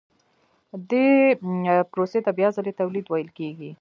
دې پروسې ته بیا ځلي تولید ویل کېږي